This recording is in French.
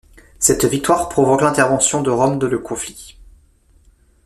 Cette victoire provoque l'intervention de Rome dans le conflit.